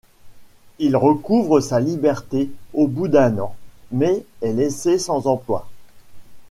Il recouvre sa liberté au bout d’un an, mais est laissé sans emploi.